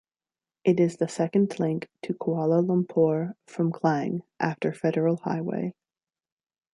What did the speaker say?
It is the second link to Kuala Lumpur from Klang after Federal Highway.